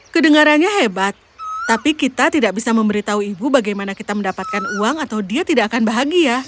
kedengarannya hebat tapi kita tidak bisa memberitahu ibu bagaimana kita mendapatkan uang atau dia tidak akan bahagia